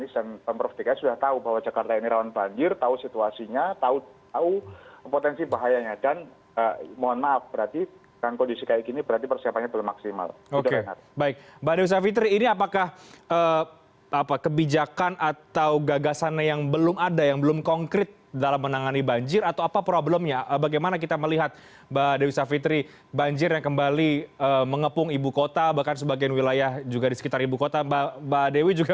itu akhirnya tidak berlanjut kita tidak melihat ada kelanjutan dari polisi polisi semacam itu